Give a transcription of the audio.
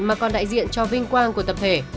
mà còn đại diện cho vinh quang của tập thể